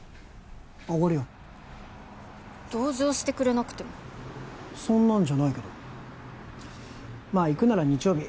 おごるよ同情してくれなくてもそんなんじゃないけどまあ行くなら日曜日